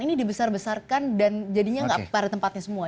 ini dibesar besarkan dan jadinya nggak pada tempatnya semua